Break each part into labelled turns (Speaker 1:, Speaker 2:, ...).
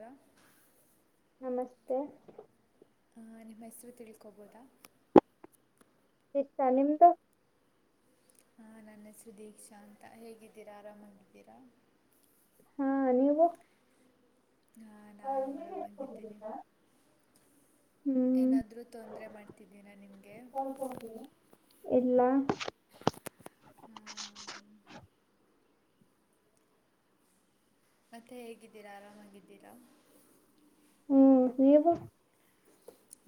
Speaker 1: ರ [unintelligible]
Speaker 2: ನಮಸ್ತೆ
Speaker 1: ಹಾ ನಿಮ್ಮ ಹೆಸ್ರು ತಿಳ್ಕೊಬೋದಾ
Speaker 2: ತ ನಿಮದು
Speaker 1: ಹಾಂ ನನ್ನ ಹೆಸರು ದೀಕ್ಷಾ ಅಂತ ಹೇಗಿದ್ದೀರಾ ಆರಾಮಾಗಿದ್ದೀರಾ
Speaker 2: ಹಾ ನೀವು
Speaker 1: ಆ,
Speaker 2: ಹ
Speaker 1: ನಾನು
Speaker 2: ಇಲ್ಲಿ
Speaker 1: ಆರಾಮಾಗಿದ್ದೀನಿ
Speaker 2: ಹೇಳ್ಕೊಂಡಿದ್ದೀ
Speaker 1: ಏನಾದರೂ ತೊಂದರೆ ಮಾಡ್ತಿದ್ದೀನಾ ನಿನಗೆ
Speaker 2: ಇಲ್ಲಾ
Speaker 1: ಮತ್ತೆ ಹೇಗಿದ್ದೀರಾ ಆರಾಮಾಗಿದ್ದೀರಾ
Speaker 2: ಹ್ಮ್ ನೀವು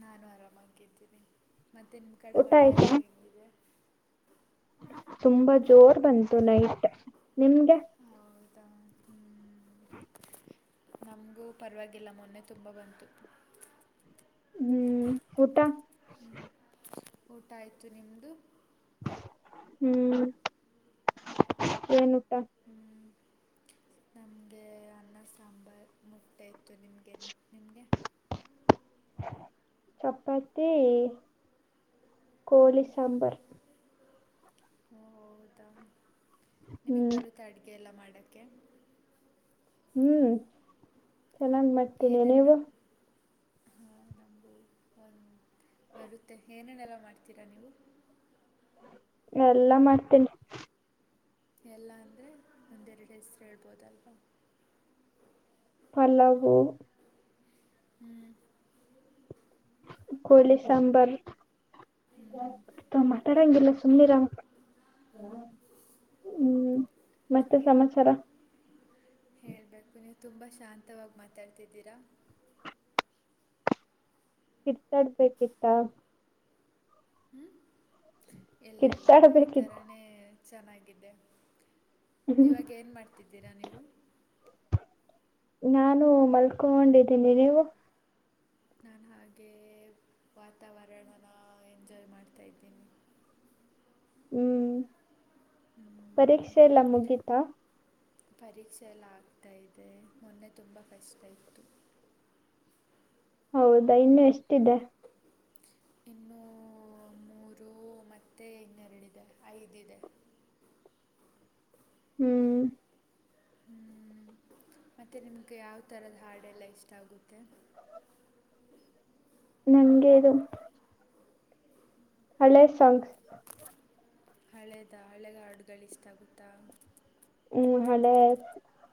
Speaker 1: ನಾನು ಆರಾಮಾಗಿದ್ದೀನಿ ಮತ್ತು ನಿಮ್ಮ ಕಡೆ
Speaker 2: ಊಟ
Speaker 1: ಮಳೆಯೆಲ್ಲ
Speaker 2: ಆಯ್ತಾ
Speaker 1: ಹೇಗಿದೆ
Speaker 2: ತುಂಬಾ ಜೋರ್ ಬಂತು ನೈಟ್ ನಿಮ್ಗೆ
Speaker 1: ಹೌದ ಹ ನಮಗೂ ಪರವಾಗಿಲ್ಲ ಮೊನ್ನೆ ತುಂಬ ಬಂತು
Speaker 2: ಹ್ಮ್ ಊಟ
Speaker 1: ಹ್ಮ್ ಊಟ ಆಯ್ತು ನಿಮ್ದು
Speaker 2: ಹ್ಮ್ ಏನು ಊಟ
Speaker 1: ಹ್ಮ್ ನಮಗೆ ಅನ್ನ ಸಾಂಬಾರು ಮುಟ್ಟೆ ಇತ್ತು ನಮಗೆ ನಿಮಗೆ
Speaker 2: ಚಪಾತಿ ಕೋಳಿ ಸಾಂಬಾರ್
Speaker 1: ಹೋ ಹೌದಾ ನಿಮಗ್
Speaker 2: ಹ್ಮ್
Speaker 1: ಬರುತ್ತೆ ಅಡುಗೆ ಎಲ್ಲ ಮಾಡೋಕ್ಕೆ
Speaker 2: ಹ್ಮ್ ಚೋಲಾ ಮಾಡ್ತೀನಿ
Speaker 1: ಏನನ್
Speaker 2: ನೀವು
Speaker 1: ಹಾಂ ನಂಬೂ ಹ ಬರುತ್ತೆ ಏನೇನೆಲ್ಲ ಮಾಡ್ತೀರಾ ನೀವು
Speaker 2: ಎಲ್ಲಾ ಮಾಡ್ತೇನ್
Speaker 1: ಎಲ್ಲ ಅಂದರೆ ಒಂದೆರಡು ಹೆಸ್ರು ಹೇಳ್ಬೋದಲ್ವಾ
Speaker 2: ಪಲವು
Speaker 1: ಹ್ಮ್
Speaker 2: ಕೋಳ ಸಾಂಬಾರ್
Speaker 1: ಹ್ಞೂ
Speaker 2: ಮಾತಾಡಂಗಿಲ್ಲ ಸುಮ್ನಿರ ಹ್ಮ್ ಮತ್ತೆ ಸಮಾಚಾರ
Speaker 1: ಹೇಬೇಕು ನೀವು ತುಂಬ ಶಾಂತವಾಗಿ ಮಾತಾಡ್ತಿದ್ದೀರಾ
Speaker 2: ಕರ್ತಾಡ್ಬೇಕಿತ್ತ
Speaker 1: ಹ್ಞೂ ಇಲ್ಲ ಇಲ್ಲ ಈ
Speaker 2: ಕಿರ್ತ್ತಾಡಬೇಕ
Speaker 1: ಥರನೇ ಚೆನ್ನಾಗಿದೆ ಇವಾಗ ಏನು ಮಾಡ್ತಿದ್ದೀರಾ ನೀವು
Speaker 2: ನಾನು ಮಲ್ಕೊಂಡಿದ್ದೀನಿ ನೀವು
Speaker 1: ನಾನು ಹಾಗೇ ವಾತಾವರಣನ ಎಂಜಾಯ್ ಮಾಡ್ತಾಯಿದ್ದೀನಿ
Speaker 2: ಹ್ಮ್ ಪರೀಕ್ಷೆ ಎಲ್ಲ ಮುಗೀತಾ
Speaker 1: ಪರೀಕ್ಷೆ ಎಲ್ಲ ಆಗ್ತಾ ಇದೆ ಮೊನ್ನೆ ತುಂಬ ಕಷ್ಟ ಇತ್ತು
Speaker 2: ಹೌದಾ ಇನ್ನು ಎಷ್ಟಿದೆ
Speaker 1: ಇನ್ನೂ ಮೂರು ಮತ್ತು ಇನ್ನೆರಡಿದೆ ಐದಿದೆ
Speaker 2: ಹ್ಮ್
Speaker 1: ಮತ್ತು ನಿಮಗೆ ಯಾವ ಥರದ ಹಾಡೆಲ್ಲ ಇಷ್ಟ ಆಗುತ್ತೆ
Speaker 2: ನಂಗೆೇದು ಹಳೆ ಸಾಂಗ್
Speaker 1: ಹಳೆದ ಹಳೆದ ಹಾಡುಗಳು ಇಷ್ಟಾಗುತ್ತಾ
Speaker 2: ಹ್ಮ್ ಹಳೆ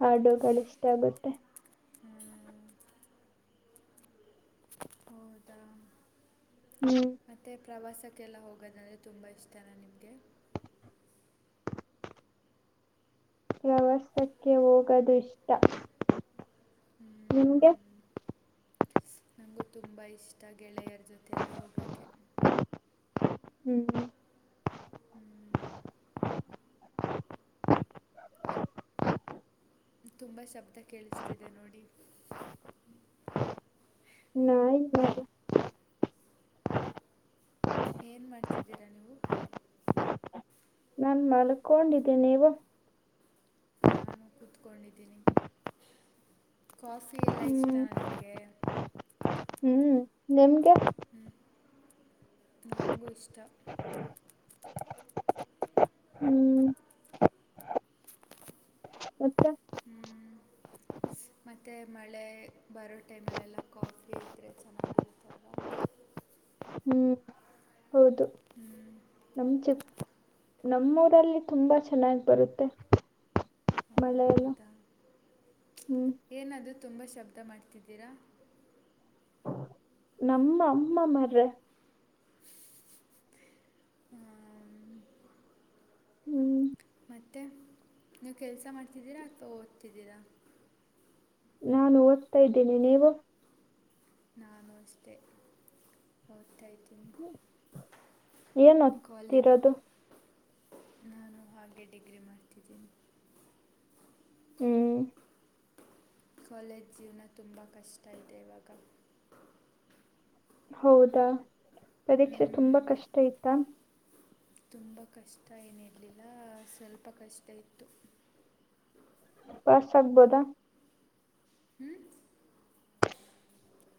Speaker 2: ಹಾಡುಗಳು ಇಷ್ಟ ಆಗುತ್ತೆ
Speaker 1: ಹ್ಮ್ ಹೌದ
Speaker 2: ಹ್ಮ್
Speaker 1: ಮತ್ತು ಪ್ರವಾಸಕ್ಕೆಲ್ಲ ಹೋಗೋದಂದರೆ ತುಂಬ ಇಷ್ಟನ ನಿಮಗೆ
Speaker 2: ಪ್ರವಾಸಕ್ಕೆ ಹೋಗೋದು ಇಷ್ಟ ನಿಮ್ಗೆ
Speaker 1: ನನಗೂ ತುಂಬ ಇಷ್ಟ ಗೆಳೆಯರ ಜೊತೆ ಎಲ್ಲ ಹೋಗೋಕ್ಕೆ
Speaker 2: ಹ್ಮ್
Speaker 1: ಹ್ಮ್ ತುಂಬ ಶಬ್ದ ಕೇಳಿಸ್ತಿದೆ ನೋಡಿ
Speaker 2: ನ [inaudible]
Speaker 1: ಏನ್ ಮಾಡ್ತಿದ್ದೀರಾ ನೀವು
Speaker 2: ನನ್ಮಲ್ಕೊಂಡಿದ್ದೀನಿ ನೀವು
Speaker 1: ನಾನು ಕೂತ್ಕೊಂಡಿದ್ದೀನಿ ಕಾಫಿ ಎಲ್ಲ ಇಷ್ಟ
Speaker 2: ಹ್ಮ್
Speaker 1: ನಿಮಗೆ
Speaker 2: ಹ್ಮ್ ನಿಮ್ಗೆ
Speaker 1: ಹ್ಞ ನಂಗೂ ಇಷ್ಟ
Speaker 2: ಹ್ಮ್ ಅತ್ತೆ
Speaker 1: ಹ್ಮ್ ಮತ್ತು ಮಳೆ ಬರೋ ಟೈಮಲ್ಲೆಲ್ಲ ಕಾಫಿ ಇದ್ದರೆ ಚೆನ್ನಾಗಿರುತ್ತದೆ
Speaker 2: ಹ್ಮ್ ಹೌದು
Speaker 1: ಹ್ಮ್
Speaker 2: ನಮ್ ನಮ್ಮೂರಲ್ಲಿ ತುಂಬಾ ಚೆನ್ನಾಗಿ ಬರುತ್ತೆ
Speaker 1: ಓ
Speaker 2: ಮಳೆ ಎಲ್ಲ ಹ್ಮ್
Speaker 1: ಏನಾದರೂ ತುಂಬ ಶಬ್ದ ಮಾಡ್ತಿದ್ದೀರಾ
Speaker 2: ನಮ್ಮ ಅಮ್ಮ ಮರ್ರೆ ಹ್ಮ್
Speaker 1: ಮತ್ತು ನೀವು ಕೆಲಸ ಮಾಡ್ತಿದ್ದೀರಾ ಅ ಓದ್ತಿದ್ದೀರಾ
Speaker 2: ನಾನು ಓದ್ತಾ ಇದ್ದೀನಿ ನೀವು
Speaker 1: ನಮಸ್ತೆ ಊತಟಐತಿಂಗ
Speaker 2: ಏನ್
Speaker 1: ಕಾಲೇಜ್
Speaker 2: ಓದ್ತಿರೋದು
Speaker 1: ನಾನು ಹಾಗೆ ಡಿಗ್ರಿ ಮಾಡ್ತಿದ್ದೀನಿ
Speaker 2: ಹ್ಮ್
Speaker 1: ಕಾಲೇಜ್ ಜೀವನ ತುಂಬ ಕಷ್ಟ ಇದೆ ಇವಾಗ.
Speaker 2: ಹೌದಾ ಪರೀಕ್ಷೆ ತುಂಬಾ ಕಷ್ಟ ಇತ್ತ.
Speaker 1: ತುಂಬ ಕಷ್ಟ ಏನಿರಲಿಲ್ಲ ಸ್ವಲ್ಪ ಕಷ್ಟ ಇತ್ತು.
Speaker 2: ಪಾಸ್ ಆಗ್ಬೋದಾ.
Speaker 1: ಹ್ಮ್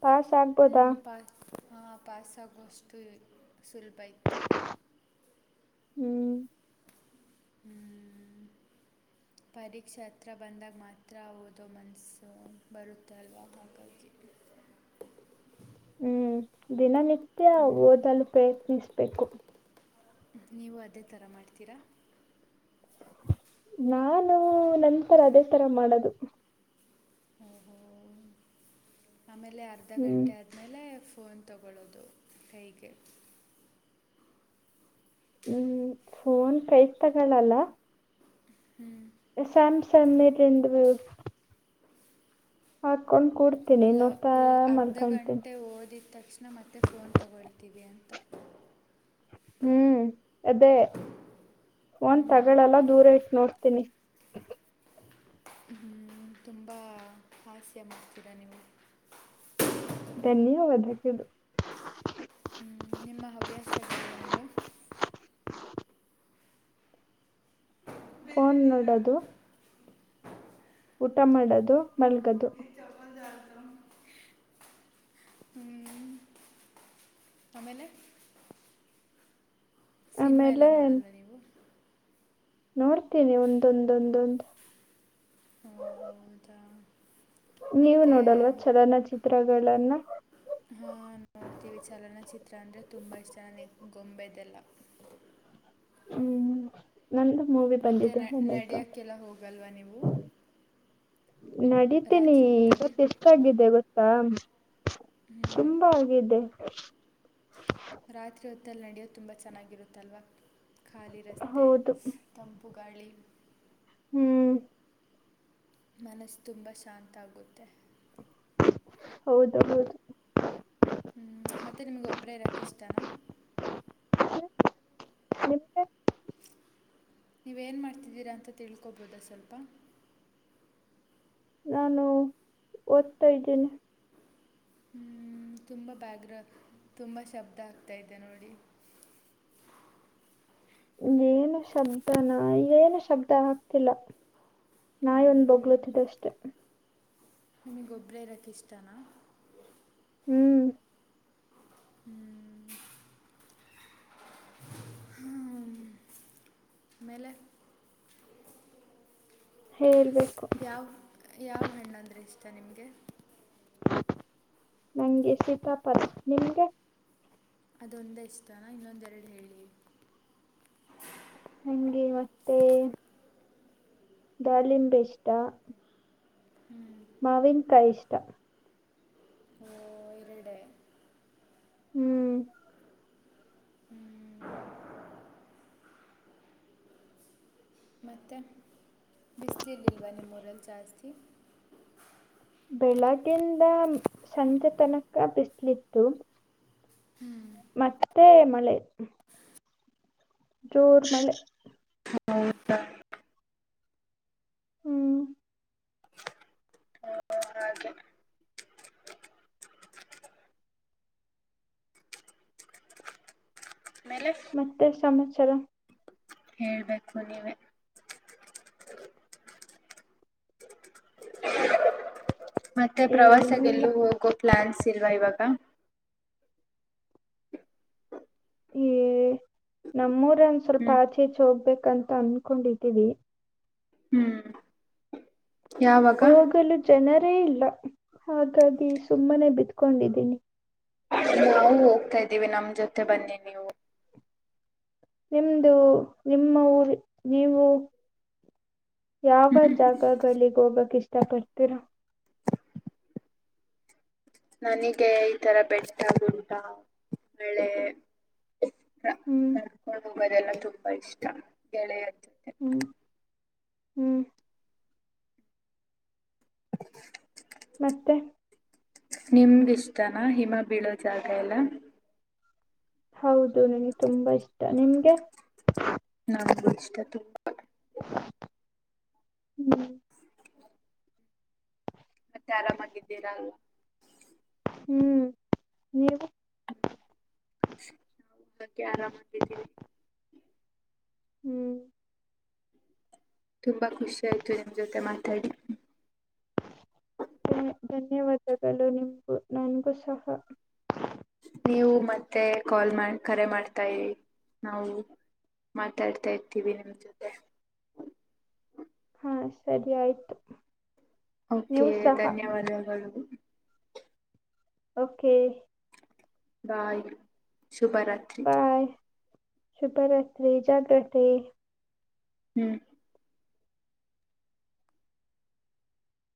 Speaker 2: ಪಾಸ್ ಆಗ್ಬೋದಾ
Speaker 1: ಹ ಪಾಸಾಗುವಷ್ಟು ಸುಲಭ ಇತ್ತು.
Speaker 2: ಹ್ಮ್
Speaker 1: [inaudible] ಪರೀಕ್ಷೆ ಹತ್ರ ಬಂದಾಗ ಮಾತ್ರ ಓದೋ ಮನಸ್ಸು ಬರುತ್ತಲ್ವಾ ಆಕಾಗಿ.
Speaker 2: ಹ್ಮ್ ದಿನನಿತ್ಯ ಓದಲು ಪ್ರಯತ್ನಿಸ್ಬೇಕು.
Speaker 1: ನೀವು ಅದೇ ಥರ ಮಾಡ್ತೀರಾ.
Speaker 2: ನಾನು ನಂತರ ಅದೇ ತರ ಮಾಡದು.
Speaker 1: ಓಹೋ ಆಮೇಲೆ ಅರ್ಧ
Speaker 2: ಹ್ಮ್
Speaker 1: ಗಂಟೆ ಆದ್ಮೇಲೆ ಫೋನ್ ತಗೊಳ್ಳೋದು ಕೈಗೆ.
Speaker 2: ಹ್ಮ್ ಫೋನ್ ಕೈಗ್ ತಗೊಳಲ್ಲ.
Speaker 1: ಹ್ಮ್
Speaker 2: [unintelligible] ಹಾಕೊಂಡ್ ಕುಡ್.
Speaker 1: ಅಲ್ಲ ಓ ಅರ್ಧ ಗಂಟೆ ಓದಿದ ತಕ್ಷಣ ಮತ್ತೆ ಫೋನ್ ತಗೊಳ್ತೀವಿ ಅಂತ.
Speaker 2: ಹ್ಮ್ ಅದೇ ಫೋನ್ ತಗಳೆಲ್ಲ ದೂರ ಇಟ್ಟ ನೋಡ್ತೀನಿ.
Speaker 1: ಹ್ಮ್ ತುಂಬಾ. ಹಾಸ್ಯ ಮಾಡ [unintelligible] ನಿಮಗೆ.
Speaker 2: ಧನ್ಯವಾದಗಳು.
Speaker 1: ಹ್ ನಿಮ್ಮ ಹವ್ಯಾಸಗಳೇನು.
Speaker 2: ಫೋನ್
Speaker 1: ಬಿದ್ದಿದ್ದೀನಿ
Speaker 2: ನೋಡೋದು. ಊಟ ಮಾಡೋದು ಮಲ್ಗೋದು.
Speaker 1: [unintelligible] ಹ್ಮ್, ಆಮೇಲೆ ಸಿನಿಮಾ
Speaker 2: ಆಮೇಲೆ
Speaker 1: ಎಲ್ಲ ನೋಡಲ್ಲ ನೀವು
Speaker 2: ನೋಡ್ತೀನಿ ಒಂದೊಂದೊಂದೊಂದು.
Speaker 1: ಹ್ಹಾ ಹೌದ.
Speaker 2: ನೀವು ನೋಡಲ್ವ ಚಲನಚಿತ್ರಗಳನ್ನ.
Speaker 1: ಹ್ಮ್. ಟಿ ವಿ ಚಲನಚಿತ್ರ ಅಂದರೆ ತುಂಬ ಇಷ್ಟ ನನಗೆ ಗೊಂಬೆದೆಲ್ಲ.
Speaker 2: ಹ್ಮ್ ನಂದು ಮೂವಿ
Speaker 1: ಮತ್ತೆ
Speaker 2: ಬಂದಿದ್ದೆ
Speaker 1: ನ-
Speaker 2: [unintelligible] ಕಾಟ್
Speaker 1: ನಡೆಯೋಕ್ಕೆಲ್ಲ ಹೋಗಲ್ವಾ ನೀವು
Speaker 2: ನಡೀತೇನಿ
Speaker 1: ರಾತ್ರಿ ಹೊತ್ತಲ್ಲಿ
Speaker 2: ಇವತ್ತು ಎಷ್ಟಗಿದೇ ಗೊತ್ತಾ.
Speaker 1: ಹ್ಮ್
Speaker 2: ತುಂಬಾ ಹೋಗಿದ್ದೆ
Speaker 1: ರಾತ್ರಿ ಹೊತ್ತಲ್ಲಿ ನಡೆಯೋದು ತುಂಬ ಚೆನ್ನಾಗಿರುತ್ತಲ್ವ ಖಾಲಿ ರಸ್ತೆ.
Speaker 2: ಹೌದು
Speaker 1: ತ್ತೆ ತಂಪು ಗಾಳಿ.
Speaker 2: ಹ್ಮ್
Speaker 1: ಮನಸ್ ತುಂಬ ಶಾಂತ ಆಗುತ್ತೆ.
Speaker 2: ಹೌದು ಹೌದು.
Speaker 1: ಹ್ಞ ಮತ್ತೆ ನಿಮ್ಗೊಬ್ಬರ ಇರಾಕ ಇಷ್ಟಾನ.
Speaker 2: ನಿಮ್ಗೆ
Speaker 1: ನೀವೇನು ಮಾಡ್ತಿದ್ದೀರಾ ಅಂತ ತಿಳ್ಕೊಬೋದಾ ಸ್ವಲ್ಪ.
Speaker 2: ನಾನು ಓದ್ತಾ ಇದ್ದೇನೆ.
Speaker 1: ಹ್ಮ ತುಂಬ ಬ್ಯಾಗ್ರ ತುಂಬ ಶಬ್ದ ಆಗ್ತಾ ಇದೆ ನೋಡಿ.
Speaker 2: ಏನು ಶಬ್ದಾನ ಈ ಏನು ಶಬ್ದ ಆಗ್ತಿಲ್ಲ ನಾಯಿ ಒಂದ ಬಗ್ಲತಿದ್ದ ಅಷ್ಟೆ
Speaker 1: ನಿಮಗೆೊಬ್ಬರ ಇರೋಕ್ಕೆ ಇಷ್ಟನಾ
Speaker 2: ಹ್ಮ್
Speaker 1: ಹ್ಮ್ ಆಮೇಲೆ
Speaker 2: ಹೇಳ್ಬೇಕು
Speaker 1: ಯಾವ ಯಾವ ಹಣ್ಣು ಅಂದ್ರೆ ಇಷ್ಟ ನಿಮಗೆ
Speaker 2: ನಂಗೆ ಸೀತಪ್ಪದ ನಿಮಗೆ
Speaker 1: ಅದೊಂದ ಇಷ್ಟಾನ ಇನ್ನೊಂದೆರಡು ಹೇಳಿ
Speaker 2: ಹಗೆ ಮತ್ತೆ ದಾಳಿಂಬೆ ಎಷ್ಟ ಮಾವನ್ ಕೈ ಇಷ್ಟ
Speaker 1: ಓ ಎರಡೇ
Speaker 2: ಹ್ಮ್
Speaker 1: ಮತ್ತು ಬಿಸಲಿಯಲ್ಲಿಲ್ವಾ ನಿಮ್ಮೂರಲ್ಲಿ ಜಾಸ್ತಿ
Speaker 2: ಬೆಳಗ್ಗಿಂದ ಸಂಜೆ ತನಕ ಬಿಸಿಲಿತ್ತು
Speaker 1: ಹ್ಮ್
Speaker 2: ಮತ್ತೆ ಮಳೆ ಜೋರ್ ಮಳೆ
Speaker 1: ಹತ್ತ [unintelligible]
Speaker 2: ಹ್ಮ್
Speaker 1: ಹ ಹಾಗೆ [unintelligible] ಆಮೇಲೆ
Speaker 2: ಮತ್ತೆ ಸಮಾಚಾರ
Speaker 1: ಬೇಕು ನೀವೇ [unintelligible] ಮತ್ತೆ
Speaker 2: ಏನೂ
Speaker 1: ಪ್ರವಾಸಕ್ಕೆ
Speaker 2: ಇಲ್ಲ
Speaker 1: ಎಲ್ಲೂ ಹೋಗೋ ಪ್ಲಾನ್ಸ್ ಇಲ್ವಾ ಇವಾಗ
Speaker 2: ಈ ನಮ್ಮೂರ ಒಂದ್ ಸ್ವಲ್ಪ
Speaker 1: ಹ್ಮ್
Speaker 2: ಆಚೆ ಈಚೆ ಹೋಗ್ಬೇಕಂತ ಅನ್ಕೊಂಡಿದೀವಿ
Speaker 1: ಹ್ಮ್ ಯಾವಾಗ
Speaker 2: ಹೋಗಲು ಜನರೇ ಇಲ್ಲ ಹಾಗಾಗಿ ಸುಮ್ಮನೆ ಬಿತ್ಕೊಂಡಿದ್ದೀನಿ
Speaker 1: ನಾವು ಹೋಗ್ತಾ ಇದ್ದೀವಿ ನಮ್ ಜೊತೆ ಬನ್ನಿ ನೀವು [unintelligible]
Speaker 2: ನಿಮ್ದು ನಿಮ್ಮ ಊರು ನೀವು ಯಾವ ಜಾಗ ಆಗ ಅಲ್ಲಿಗ್ ಹೋಗಕ್ ಇಷ್ಟ ಪಡ್ತೀರಾ
Speaker 1: ನನಗೆ ಈ ತರ ಬೆಟ್ಟ ಗುಡ ಬೆಳೆ
Speaker 2: ಹ್ಮ್
Speaker 1: ಮದೆಲ್ಲ ತುಂಬಾ ಇಷ್ಟ ಗೆಳೆಯ ಜತೆ [unintelligible]
Speaker 2: ಹ್ಮಞ ಹ್ಞ ಮತ್ತೆ
Speaker 1: ನಿಮ್ಗೆ ಇಷ್ಟನ ಹಿಮ ಬೀಳೋ ಜಾಗ ಎಲ್ಲ
Speaker 2: ಹೌದು ನನಗೆ ತುಂಬಾ ಇಷ್ಟ ನಿಮ್ಗೆ
Speaker 1: ನಾ ಇಷ್ಟ ತು
Speaker 2: ಹ್ಮ್
Speaker 1: ಮತ್ತೆ ಆರಾಮಾಗಿದ್ದೀರಾ
Speaker 2: ಹ್ಮ್ ನೀವು
Speaker 1: ನಾ ಹಾಗೆ ಆರಾಮಾಗಿದ್ದೀವಿ
Speaker 2: ಹ್ಮ್
Speaker 1: ತುಂಬಾ ಖುಷಿ ಆಯ್ತು ನಿಮ್ ಜೊತೆ ಮಾತಾಡಿ
Speaker 2: ಧನ್ಯ ಧನ್ಯವಾದಗಳು ನಿಮಗೂ ನನ್ಗೂ ಸಹ
Speaker 1: ನೀವು ಮತ್ತೆ ಕಾಲ್ ಮಾಡ ಕರೆ ಮಾಡ್ತಾರಿ ನಾವು. ಮಾತಾಡ್ತಾ ಇರ್ತೀವಿ ನಿಮ ಜೊತೆ.
Speaker 2: ಹಾ ಸರಿ ಆಯ್ತು.
Speaker 1: ಓಕೆ
Speaker 2: ನೀವು ಸಹ
Speaker 1: ಧನ್ಯವಾದಗಳು.
Speaker 2: Okay
Speaker 1: bye ಶುಭರತ್.
Speaker 2: ಬಾಯ್ ಶುಭ ರತ್ರಿ ಜಾಗ್ರತೆ
Speaker 1: ಹ್ಮ್